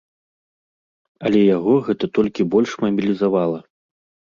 Але яго гэта толькі больш мабілізавала.